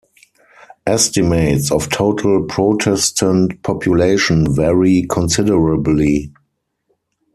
Estimates of total Protestant population vary considerably.